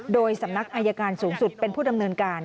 โดยสำนักอายการสูงสุดเป็นผู้ดำเนินการ